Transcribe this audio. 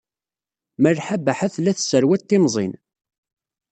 Malḥa Baḥa tella tesserwat timẓin.